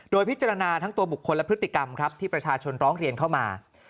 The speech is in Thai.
โดยพิจารณาทั้งตัวบุคคลและพฤติกรรมครับที่ประชาชนร้องเรียนเข้ามา